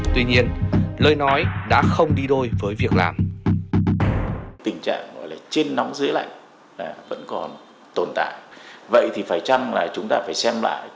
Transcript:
tuy nhiên lời nói đã không đi đôi với việc làm